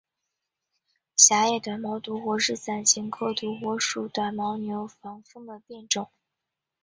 狭叶短毛独活是伞形科独活属短毛牛防风的变种。